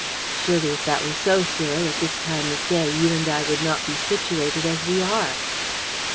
"Surely if that were so, Cyril, at this time of day you and I would not be situated as we are."